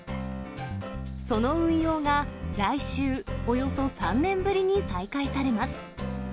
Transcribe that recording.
その運用が来週、およそ３年ぶりに再開されます。